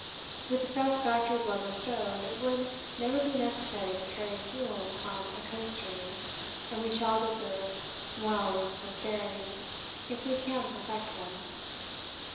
With a satisfactory blubber stove it would never be necessary to carry fuel on a coast journey, and we shall deserve well of posterity if we can perfect one.